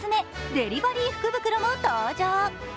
デリバリー福袋も登場。